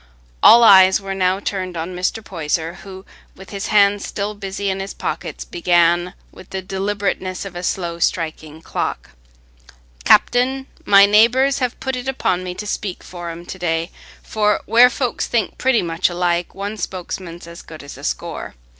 All eyes were now turned on Mr. Poyser, who, with his hands still busy in his pockets, began with the deliberateness of a slow striking clock. "Captain, my neighbours have put it upo' me to speak for 'em to day, for where folks think pretty much alike, one spokesman's as good as a score.